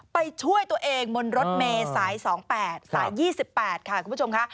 ไปช่วยตัวเองบนรถเมย์สาย๒๘สาย๒๘ค่ะคุณผู้ชมค่ะ